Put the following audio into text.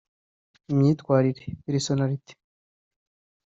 Imyitwarire (personnalite)